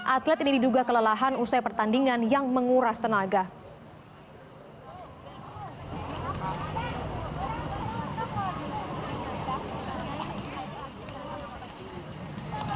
atlet ini diduga kelelahan usai pertandingan yang menguras tenaga